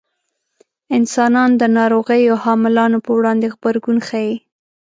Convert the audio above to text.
انسانان د ناروغیو حاملانو په وړاندې غبرګون ښيي.